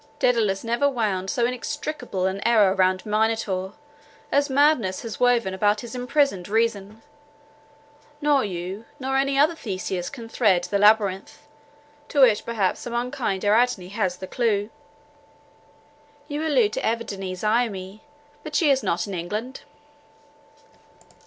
Daedalus never wound so inextricable an error round Minotaur, as madness has woven about his imprisoned reason. Nor you, nor any other Theseus, can thread the labyrinth, to which perhaps some unkind Ariadne has the clue." "You allude to Evadne Zaimi: but she is not in England."